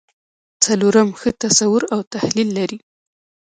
څلورم ښه تصور او تحلیل لري.